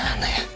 ini luar katanya